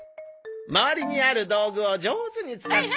周りにある道具を上手に使って。